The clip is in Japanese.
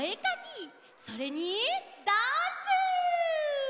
それにダンス！